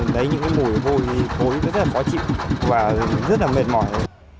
lấy những cái mùi hôi hôi rất là khó chịu và rất là mệt mỏi